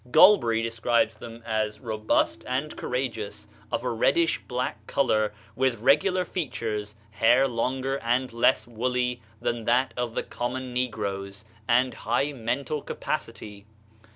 Golbery describes them as "robust and courageous, of a reddish black color, with regular features, hair longer and less woolly than that of the common negroes, and high mental capacity."